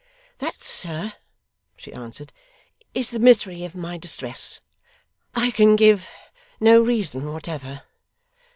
'That, sir,' she answered, 'is the misery of my distress. I can give no reason whatever.